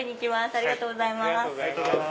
ありがとうございます。